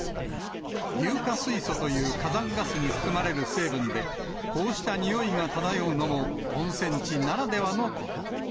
硫化水素という火山ガスに含まれる成分で、こうしたにおいが漂うのも温泉地ならではのこと。